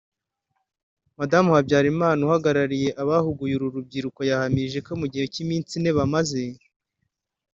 Madamu Habyarimana uhagarariye abahuguye uru rubyiruko yahamije ko mu gihe cy’iminsi ine bamaze